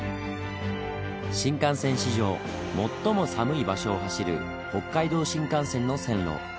新幹線史上最も寒い場所を走る北海道新幹線の線路。